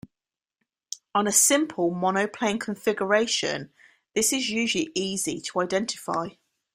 On a simple monoplane configuration, this is usually easy to identify.